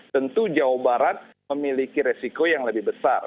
tentu jawa barat memiliki resiko yang lebih besar